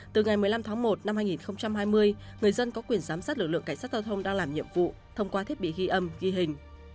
từ ngày một mươi năm tháng một năm hai nghìn hai mươi người dân có quyền giám sát lực lượng cảnh sát giao thông đang làm nhiệm vụ thông qua thiết bị ghi âm ghi hình